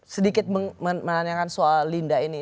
sedikit menanyakan soal linda ini